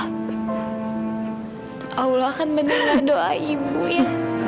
allah akan mendengar doa ibu ya